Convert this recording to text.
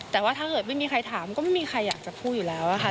แต่ว่าถ้าเกิดไม่มีใครถามก็ไม่มีใครอยากจะพูดอยู่แล้วค่ะ